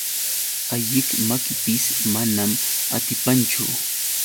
Alliq makipis manan atipanchu.